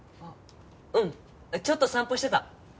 ちょっと散歩してた。